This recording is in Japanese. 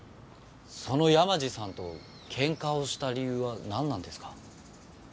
その山路さんとけんかをした理由はなんなんですか？